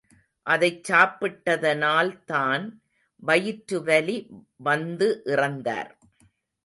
அதைச் சாப்பிட்டதனால்தான் வயிற்றுவலி வந்து இறந்தார்.